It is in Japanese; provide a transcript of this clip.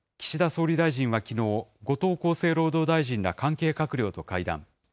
岸田総理大臣はきのう、後藤厚生労働大臣ら関係閣僚と会談。